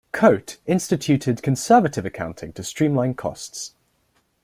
Cote instituted conservative accounting to streamline costs.